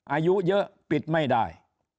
อายุเยอะปิดไม่ได้